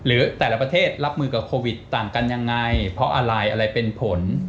หรือแต่ละประเทศรับมือกับโควิดต่างกันยังไงเพราะอะไรอะไรเป็นผล